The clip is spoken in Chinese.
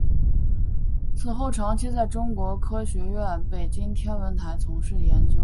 此后长期在中国科学院北京天文台从事研究。